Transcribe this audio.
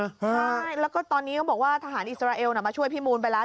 ใช่แล้วก็ตอนนี้เขาบอกว่าทหารอิสราเอลมาช่วยพี่มูลไปแล้ว